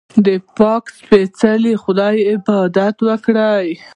د پاک سپېڅلي خدای عبادت وکړئ.